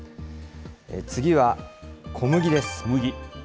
次は、小麦です。